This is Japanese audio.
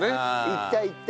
行った行った。